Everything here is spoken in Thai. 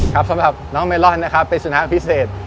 สำหรับน้องเมลอนนะครับเป็นชนะพิเศษ